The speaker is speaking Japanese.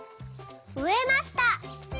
「うえました」。